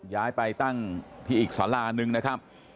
ย้ายไปตั้งที่อีกสารานึงนะครับ